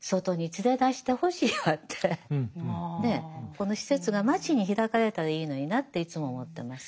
この施設が街に開かれたらいいのになっていつも思ってます。